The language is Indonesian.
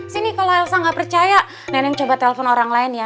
sini kalau elsa nggak percaya nenek coba telepon orang lain ya